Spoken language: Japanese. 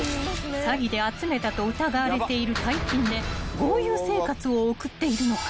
［詐欺で集めたと疑われている大金で豪遊生活を送っているのか］